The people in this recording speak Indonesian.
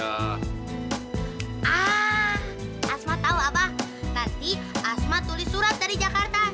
aaah asma tau abah nanti asma tulis surat dari jakarta ya